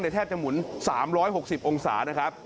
แทบจะหมุน๓๖๐องศานะครับ